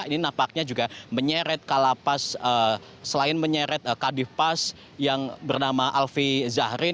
ini nampaknya juga menyeret ke lapa suka miskin selain menyeret ke kadif pas yang bernama alvi zahrin